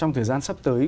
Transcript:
trong thời gian sắp tới